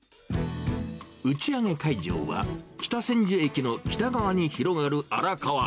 打ち上げ会場は、北千住駅の北側に広がる荒川。